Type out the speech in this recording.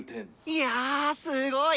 いやぁすごい！